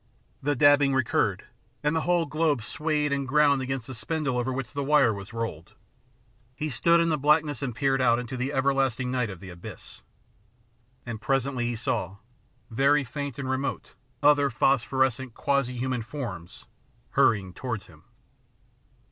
The dab bing recurred, and the globe swayed and ground against the spindle over which the wire was rolled. He stood in the blackness and peered out into the everlasting night of the abyss. And presently he saw, very faint and remote, other phosphorescent quasi human forms hurrying towards him.